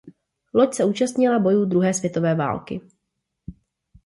Loď se účastnila bojů druhé světové války.